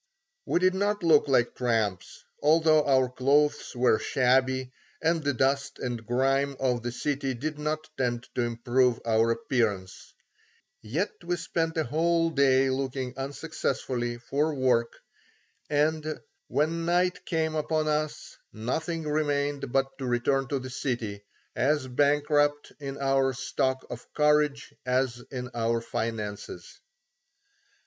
We did not look like tramps, although our clothes were shabby and the dust and grime of the city did not tend to improve our appearance; yet we spent a whole day looking unsuccessfully for work, and when night came upon us nothing remained but to return to the city, as bankrupt in our stock of courage as in our finances.